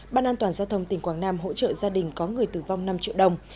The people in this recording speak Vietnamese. ban an toàn giao thông tỉnh quảng nam hỗ trợ gia đình có người tử vong năm triệu đồng